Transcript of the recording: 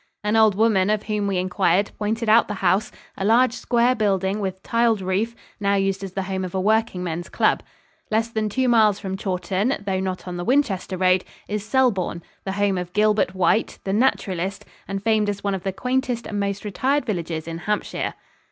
An old woman of whom we inquired pointed out the house a large square building with tiled roof, now used as the home of a workingmen's club. Less than two miles from Chawton, though not on the Winchester road, is Selborne, the home of Gilbert White, the naturalist, and famed as one of the quaintest and most retired villages in Hampshire.